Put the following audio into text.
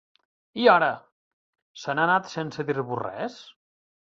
I ara!, se n'ha anat sense dir-vos res?